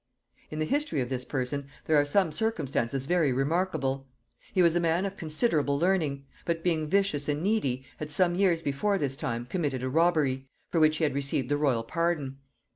In the history of this person there are some circumstances very remarkable. He was a man of considerable learning, but, being vicious and needy, had some years before this time committed a robbery, for which he had received the royal pardon.